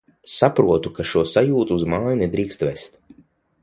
Saprotu, ka šo sajūtu uz māju nedrīkst vest...